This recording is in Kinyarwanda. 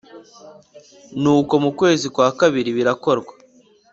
Nuko mu kwezi kwa kabiri birakorwa